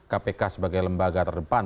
kpk sebagai lembaga terdepan